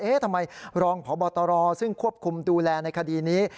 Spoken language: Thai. ทำไมรองพบตรซึ่งควบคุมดูแลในคดีนี้